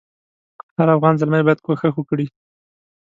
هر افغان زلمی باید کوښښ وکړي.